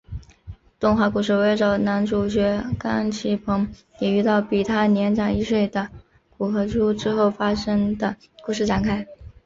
动画故事围绕着男主角冈崎朋也遇到比他年长一岁的古河渚之后发生的故事展开。